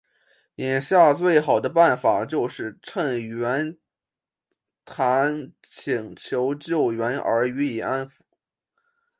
眼下最好的办法就是趁袁谭请求救援而予以安抚。